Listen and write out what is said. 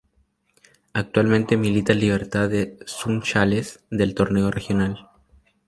Actualmente milita en Libertad de Sunchales del Torneo Regional.